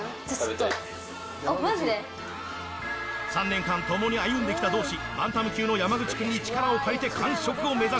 ３年間共に歩んで来た同志バンタム級の山口君に力を借りて完食を目指します。